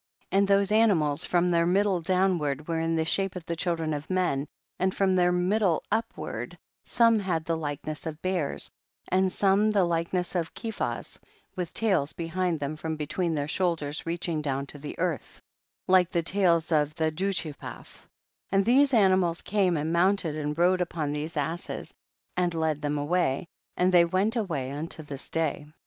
32. And those animals, from their middle downward, were in the shape of the children of men, and from their middle upward, some had the likeness of bears, and some the like ness of the keephas, with tails behind them from between their shoulders reaching down to the earth, like the tails of the ducheephath, and these animals came and mounted and rode upon these asses, and led them away, and they went away unto this day.